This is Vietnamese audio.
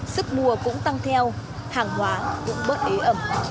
sức mùa cũng tăng theo hàng hóa cũng bớt ế ẩm